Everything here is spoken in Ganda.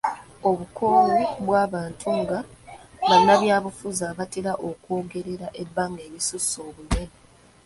Obukoowu bw'abantu nga bannabyabufuzi abatera okwogerera ebbanga erisusse obunene.